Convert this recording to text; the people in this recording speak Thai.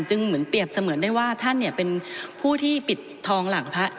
เหมือนเปรียบเสมือนได้ว่าท่านเป็นผู้ที่ปิดทองหลังพระ